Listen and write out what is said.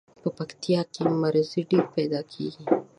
په پکتیا کې مزري ډیر پیداکیږي.